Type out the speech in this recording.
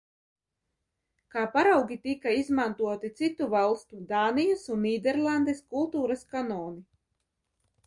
Kā paraugi tika izmantoti citu valstu – Dānijas un Nīderlandes kultūras kanoni.